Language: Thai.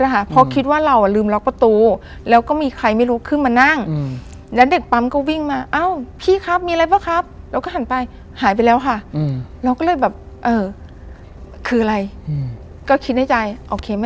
เห็นเลยค่ะเห็นด้วยตาเนื้อ